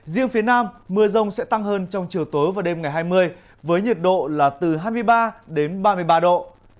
riêng phía nam mưa rông sẽ tăng hơn trong chiều tối và đêm ngày hai mươi với nhiệt độ là từ hai mươi ba đến ba mươi ba độ